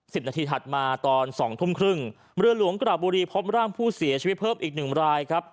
นาทีถัดมาตอนสองทุ่มครึ่งเรือหลวงกระบุรีพบร่างผู้เสียชีวิตเพิ่มอีกหนึ่งรายครับ